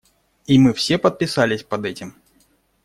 И мы все подписались под этим.